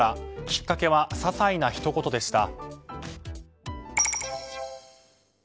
きっかけはささいなひと言でした。